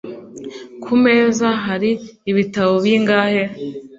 Ku meza hari ibitabo bingahe?